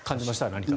何か。